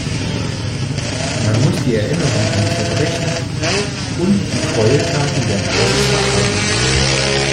Man muss die Erinnerung an die Verbrechen und die Gräueltaten der Nazis wach halten.